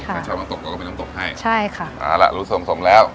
ถ้าชอบน้ำตกก็เอาไปน้ำตกให้ใช่ค่ะเอาล่ะรู้สมแล้ว